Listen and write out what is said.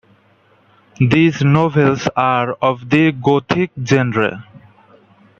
These novels are of the Gothic genre.